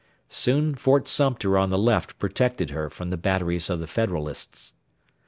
Soon Fort Sumter on the left protected her from the batteries of the Federalists.